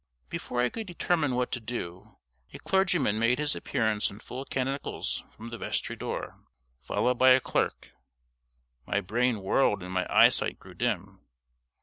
Before I could determine what to do, a clergyman made his appearance in full canonicals from the vestry door, followed by a clerk. My brain whirled and my eyesight grew dim.